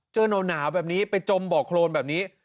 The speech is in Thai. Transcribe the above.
หนาวแบบนี้ไปจมบ่อโครนแบบนี้